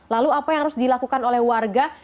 lalu apa yang harus dilakukan oleh warga